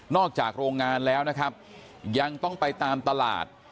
อกจากโรงงานแล้วนะครับยังต้องไปตามตลาด